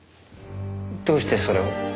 どうしてそれを？